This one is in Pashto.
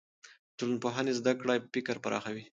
د ټولنپوهنې زده کړه فکر پراخوي.